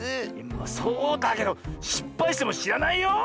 そうだけどしっぱいしてもしらないよ。